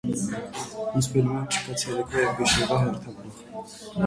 Մուսպելհայմում չկա ցերեկվա և գիշերվա հերթափոխ։